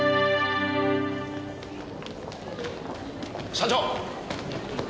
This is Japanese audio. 「」社長！